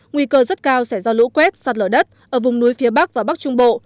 nguy cơ rất cao sẽ do lũ quét sạt lở đất ở vùng núi phía bắc và bắc trung bộ